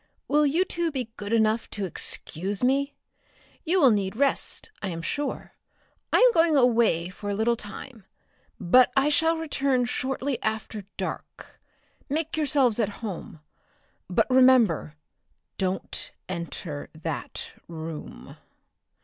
"Will you two be good enough to excuse me? You will need rest, I am sure. I am going away for a little time, but I shall return shortly after dark. Make yourselves at home. But remember don't enter that room!"